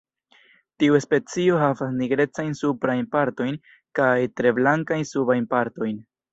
Tiu specio havas nigrecajn suprajn partojn kaj tre blankajn subajn partojn.